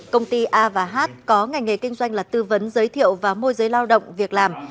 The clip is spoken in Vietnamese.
công ty a h có ngành nghề kinh doanh là tư vấn giới thiệu và môi giới lao động việc làm